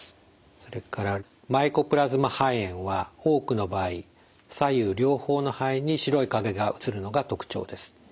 それからマイコプラズマ肺炎は多くの場合左右両方の肺に白い影が写るのが特徴です。